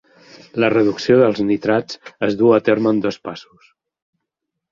La reducció dels nitrats es duu a terme en dos passos.